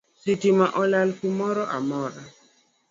Sitima olal kumoramora